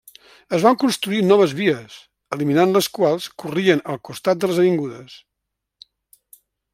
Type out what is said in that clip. Es van construir noves vies, eliminant les quals corrien al costat de les avingudes.